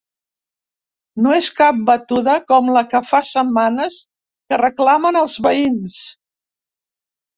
No és cap batuda com la que fa setmanes que reclamen els veïns.